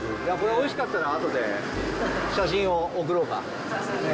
おいしかったら、あとで写真を送ろうか。